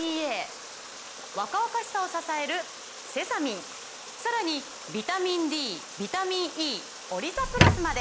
若々しさを支えるセサミンさらにビタミンＤビタミンＥオリザプラスまで！